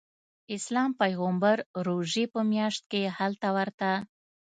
اسلام پیغمبر روژې په میاشت کې هلته ورته.